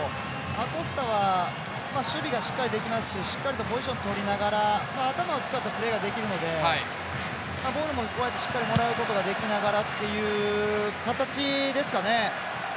アコスタは守備がしっかりできますししっかりとポジションとりながら頭を使ったプレーができるのでボールもしっかりもらうことができながらという形ですかね。